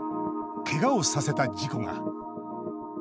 けがをさせた事故が。